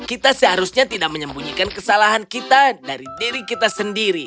kita seharusnya tidak menyembunyikan kesalahan kita dari diri kita sendiri